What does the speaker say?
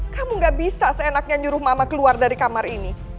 kamu gak bisa seenaknya nyuruh mama keluar dari kamar ini